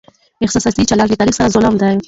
احساساتي چلند له تاريخ سره ظلم دی.